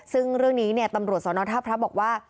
ซึ่งเรื่องนี้เนี่ยตำรวจสนท่าพระบอกว่า